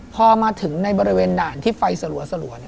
พอมาถึงในบริเวณด่านที่ไฟสลัว